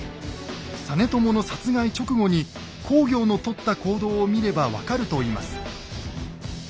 実朝の殺害直後に公暁のとった行動を見れば分かるといいます。